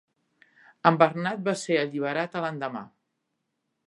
En Bernard va ser alliberat a l'endemà.